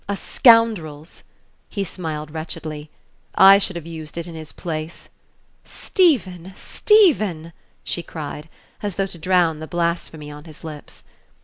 "A scoundrel's!" He smiled wretchedly. "I should have used it in his place." "Stephen! Stephen!" she cried, as though to drown the blasphemy on his lips.